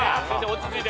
落ち着いて。